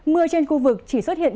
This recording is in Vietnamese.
mưa trên khu vực chỉ xuất hiện